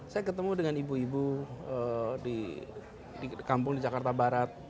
saya ketemu dengan ibu ibu di kampung di jakarta barat